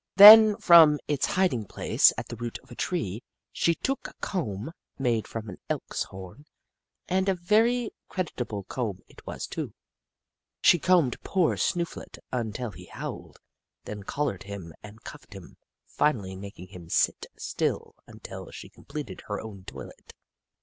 Then, from its hiding place at the root of a tree, she took a comb, made from an Elk's horn, and a very creditable comb it was, too. She combed poor Snooflet until he howled, then collared him and cuffed him, finally making him sit still until she completed her own toilet.